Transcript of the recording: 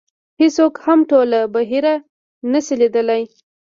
هېڅوک هم ټوله بحیره نه شي لیدلی .